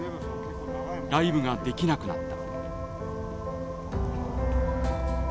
ライブができなくなった。